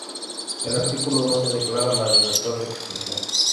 El artículo doce declara la libertad de expresión.